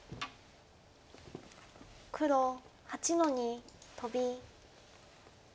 黒８の二トビ。